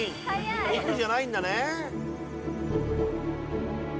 奥じゃないんだね。